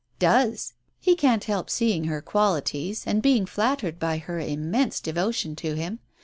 "Does. He can't help seeing her qualities, and being flattered by her immense devotion to him.